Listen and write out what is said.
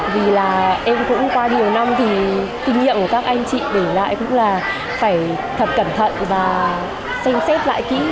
vì là em cũng qua nhiều năm thì kinh nghiệm của các anh chị để lại cũng là phải thật cẩn thận và xem xét lại kỹ